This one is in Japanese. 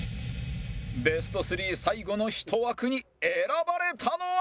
ベスト３最後の１枠に選ばれたのは